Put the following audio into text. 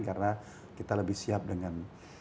karena kita lebih siap dengan